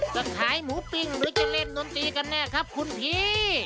จะขายหมูปิ้งหรือจะเล่นดนตรีกันแน่ครับคุณพี่